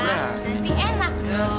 nanti enak dong